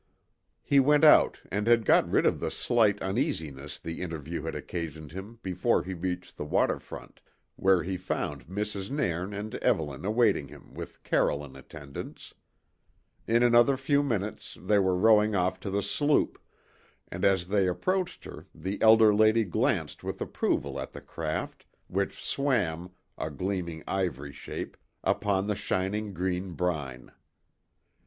He went out and had got rid of the slight uneasiness the interview had occasioned him before he reached the water front, where he found Mrs. Nairn and Evelyn awaiting him with Carroll in attendance. In another few minutes they were rowing off to the sloop, and as they approached her the elder lady glanced with approval at the craft, which swam, a gleaming ivory shape, upon the shining green brine.